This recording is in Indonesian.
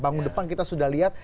bangun depan kita sudah lihat